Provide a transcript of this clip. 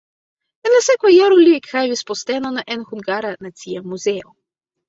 En la sekva jaro li ekhavis postenon en Hungara Nacia Muzeo.